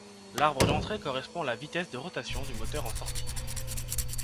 L'arbre d'entrée correspond à la vitesse de rotation du moteur en sortie.